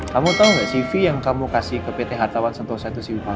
kamu tahu gak cv yang kamu kasih ke pt hartawan sentosa itu cv palsu